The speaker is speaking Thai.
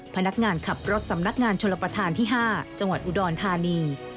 พนักงานขับรถสำนักงานชลประธานที่๕จังหวัดอุดรธานี